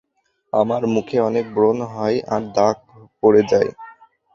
আমার মুখে অনেক ব্রণ হয় আর দাগ পরে যায়।